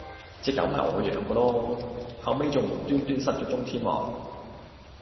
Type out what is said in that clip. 隻狗咪我養嗰囉，後尾重無端端失咗蹤添啊